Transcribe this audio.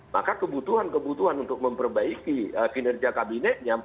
maka kebutuhan kebutuhan untuk memperbaiki kinerja kabinetnya